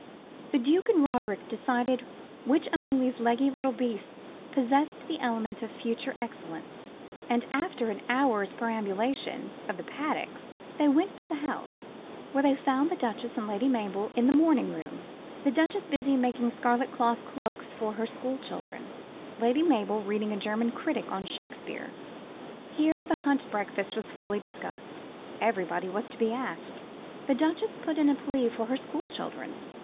The Duke and Roderick decided which among these leggy little beasts possessed the elements of future excellence; and after an hour's perambulation of the paddocks they went to the house, where they found the Duchess and Lady Mabel in the morning room; the Duchess busy making scarlet cloth cloaks for her school children, Lady Mabel reading a German critic on Shakespeare. Here the hunt breakfast was fully discussed. Everybody was to be asked. The Duchess put in a plea for her school children.